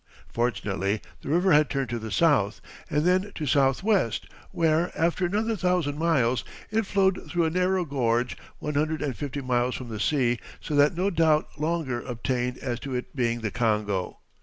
Fortunately the river had turned to the south, and then to southwest, where, after another thousand miles, it flowed through a narrow gorge, one hundred and fifty miles from the sea, so that no doubt longer obtained as to it being the Congo.